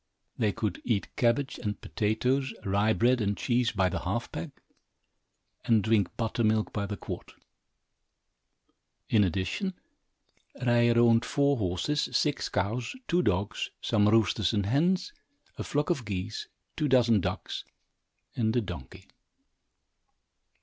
They could eat cabbage and potatoes, rye bread and cheese, by the half peck, and drink buttermilk by the quart. In addition, Ryer owned four horses, six cows, two dogs, some roosters and hens, a flock of geese, two dozen ducks, and a donkey.